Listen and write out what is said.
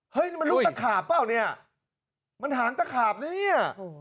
มันลูกตะขาบเปล่าเนี่ยมันหางตะขาบนะเนี่ย